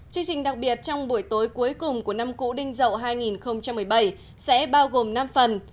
chương trình đặc biệt trong buổi tối cuối cùng của năm cũ đinh dậu hai nghìn một mươi bảy sẽ bao gồm năm phần